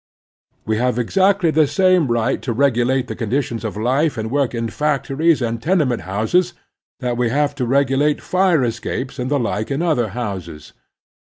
We have exactly the same right to regulate the conditions of life and work in factories and tene ment houses that we have to regulate fire escapes and the like in other houses.